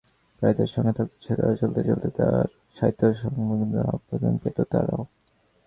প্রায় তার সঙ্গে থাকত ছেলেরা, চলতে চলতে তাঁর সাহিত্যসম্ভোগের আস্বাদন পেত তারাও।